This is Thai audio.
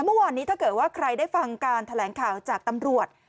เมื่อวานนี้ถ้าเกิดว่าใครได้ฟังการแถลงข่าวจากตำรวจ